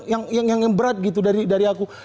yang yang yang yang berat gitu dari aku